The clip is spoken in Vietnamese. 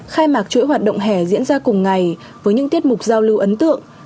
khai mạc chuỗi hoạt động hẻ diễn ra cùng ngày với những tiết mục giao lưu ấn tượng